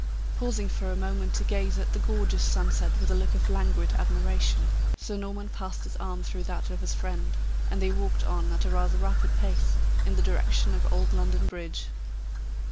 Pausing for a moment to gaze at the gorgeous sunset with a look of languid admiration, Sir Norman passed his arm through that of his friend, and they walked on at rather a rapid pace, in the direction of old London Bridge.